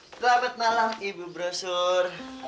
selamat malam ibu browser